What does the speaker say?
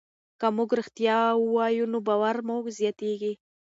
که موږ ریښتیا ووایو نو باور مو زیاتېږي.